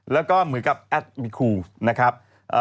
แล้วก็เหมือนกับ